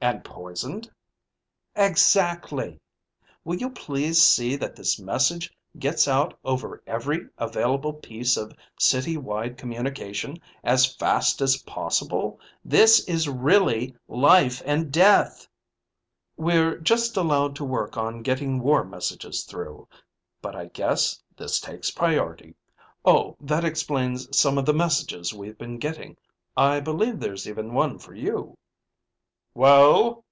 "And poisoned?" "Exactly. Will you please see that this message gets out over every available piece of city wide communication as fast as possible? This is really life and death." "We're just allowed to work on getting war messages through. But I guess this takes priority. Oh, that explains some of the messages we've been getting. I believe there's even one for you." "Well?"